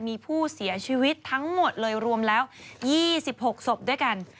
มีผู้เสียชีวิตทั้งหมดเลยรวมแล้ว๒๖ศพด้วยกัน